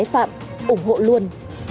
phạm ủng hộ luôn